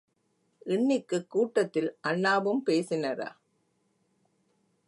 இன்னிக்குக் கூட்டத்தில் அண்ணாவும் பேசினரா?